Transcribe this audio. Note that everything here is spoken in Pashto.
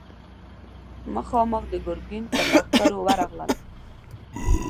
مخامخ د ګرګين پر لښکر ورغلل.